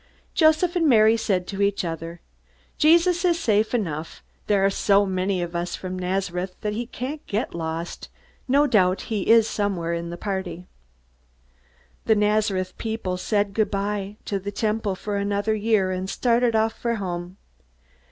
Joseph and Mary said to each other: "Jesus is safe enough. There are so many of us from Nazareth that he can't get lost. No doubt he is somewhere in the party." The Nazareth people said good by to the Temple for another year, and started off for home.